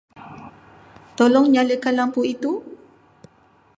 Tolong nyalakan lampu itu.